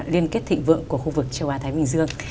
liên kết thịnh vượng của khu vực châu á thái bình dương